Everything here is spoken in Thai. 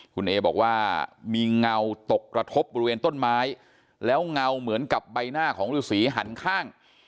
คุณเอบอกว่ามีเงาตกกระทบบริเวณต้นไม้แล้วเงาเหมือนกับใบหน้าของฤษีหันข้าง